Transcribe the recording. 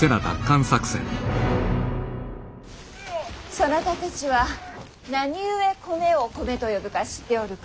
そなたたちは何故米を米と呼ぶか知っておるか？